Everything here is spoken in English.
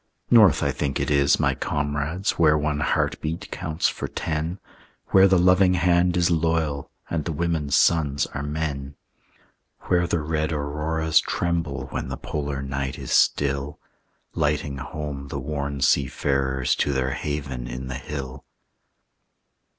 North I think it is, my comrades, Where one heart beat counts for ten, Where the loving hand is loyal, And the women's sons are men; Where the red auroras tremble When the polar night is still, Lighting home the worn seafarers To their haven in the hill.